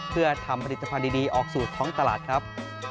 เพื่อทำผลิตภัณฑ์ดีออกสู่ท้องตลาดครับ